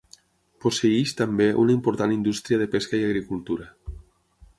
Posseeix també una important indústria de pesca i agricultura.